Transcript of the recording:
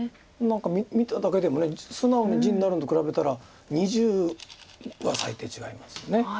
何か見ただけでも素直に地になるのと比べたら２０は最低違いますよね。